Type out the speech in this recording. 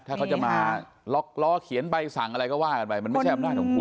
ถ้าเขาจะมาล็อกล้อเขียนใบสั่งอะไรก็ว่ากันไปมันไม่ใช่อำนาจของคุณ